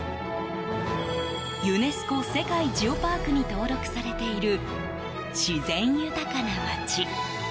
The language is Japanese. ユネスコ世界ジオパークに登録されている自然豊かな街。